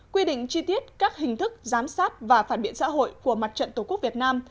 quy định chi tiết các hình thức giám sát và phản biện xã hội của mặt trận tổ quốc việt nam